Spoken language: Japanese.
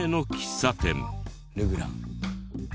ルグラン。